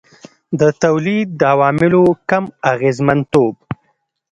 د تولید د عواملو کم اغېزمنتوب.